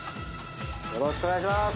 よろしくお願いします